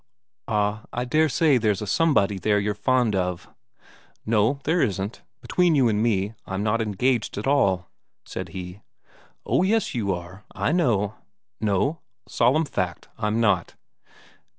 "Ah, I dare say there's a somebody there you're fond of." "No, there isn't. Between you and me, I'm not engaged at all," said he. "Oh yes, you are; I know." "No, solemn fact, I'm not."